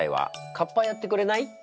かっぱやってくれない？